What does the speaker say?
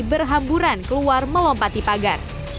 berhamburan keluar melompati pagar